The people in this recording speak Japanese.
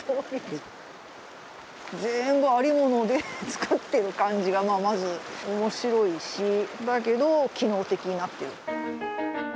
全部ありものでつくってる感じがまず面白いしだけど機能的なっていう。